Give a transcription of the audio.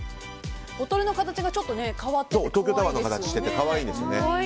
ボトルの形がちょっと変わっていて可愛いですよね。